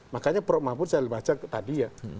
makanya prok mahfuz saya baca tadi ya